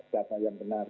kata yang benar